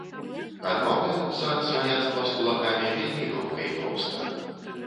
Адмаўляюцца ад сваяцтва з кулакамі вельмі лёгка і проста.